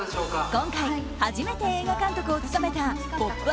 今回初めて映画監督を務めた「ポップＵＰ！」